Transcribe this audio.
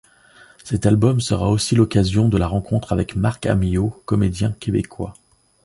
Cet album sera aussi l’occasion de la rencontre avec Marc Amyot, comédien québécois.